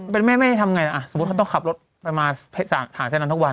เป็นแม่ทำไงสมมติเค้าต้องขับรถไปมาหาเส้นล้ำทุกวัน